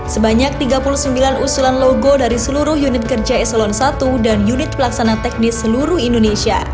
sebanyak tiga puluh sembilan usulan logo dari seluruh unit kerja eselon i dan unit pelaksana teknis seluruh indonesia